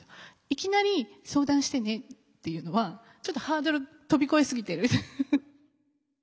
いきなり「相談してね」っていうのはちょっとハードル飛び越えすぎてる。